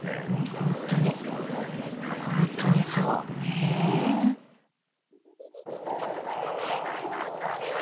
ホントにホントにそうねえちょっと待ってね。